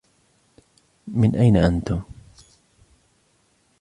مِنْ أَيْنَ أَنْتُمْ؟